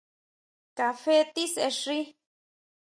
Kafé tisexi.